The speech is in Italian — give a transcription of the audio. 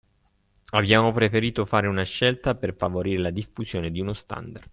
Abbiamo preferito fare una scelta, per favorire la diffusione di uno standard.